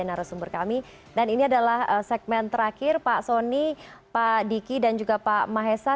terima kasih juga pak diki dan juga pak mahesha